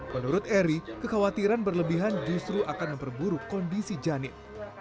menurut eri kekhawatiran berlebihan justru akan memperburuk kondisi janin